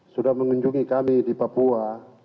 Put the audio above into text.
sudah mengunjungi kami di papua